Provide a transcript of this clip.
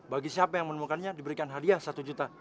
bagi siapa yang menemukannya diberikan hadiah satu juta